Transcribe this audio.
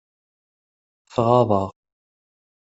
Tɣaḍ-aɣ.